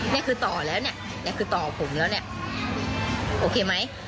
นี่คือต่อแล้วเนี่ยคือต่อผมแล้วเนี่ยโอเคไหม